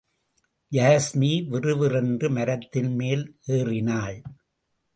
யாஸ்மி விறுவிறுவென்று மரத்தின் மேல் ஏறினாள்.